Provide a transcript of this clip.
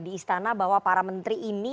di istana bahwa para menteri ini